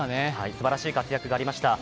すばらしい活躍がありました。